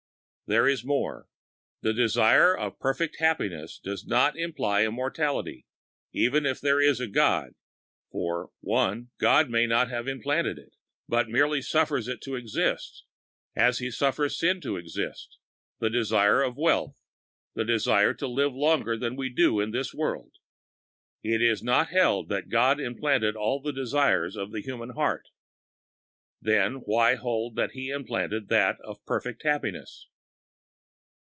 There is more: the desire of perfect happiness does not imply immortality, even if there is a God, for: ( 1 ) God may not have implanted it, but merely suffers it to exist, as He suffers sin to exist, the desire of wealth, the desire to live longer than we do in this world. It is not held that God implanted all the desires of the human heart. Then why hold that He implanted that of perfect happiness?